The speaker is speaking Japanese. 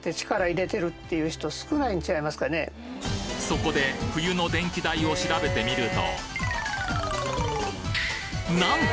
そこで冬の電気代を調べてみるとなんと！